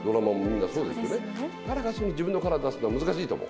なかなか自分のカラーを出すのは難しいと思う。